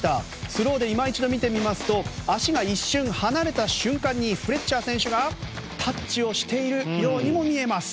スローで今一度見てみますと足が一瞬離れた瞬間にフレッチャー選手がタッチをしているようにも見えます。